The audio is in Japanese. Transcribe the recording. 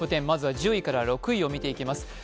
まずは１０位から６位を見ていきます